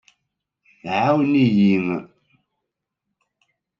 Ɛawen-iyi!